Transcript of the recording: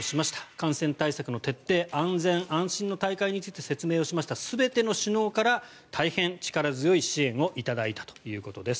感染対策の徹底安全安心の大会について説明をしました全ての首脳から大変力強い支援を頂いたということです。